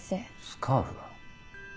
スカーフ？